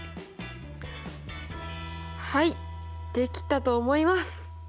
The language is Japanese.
はいできたと思います！